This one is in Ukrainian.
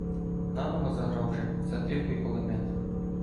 Наново заграв вже затихлий кулемет.